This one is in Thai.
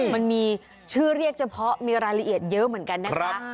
มันมีชื่อเรียกเฉพาะมีรายละเอียดเยอะเหมือนกันนะคะ